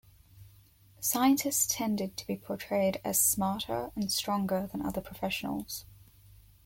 Scientists tended to be portrayed as smarter and stronger than other professionals.